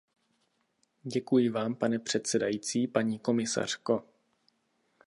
Děkuji vám, pane předsedající, paní komisařko.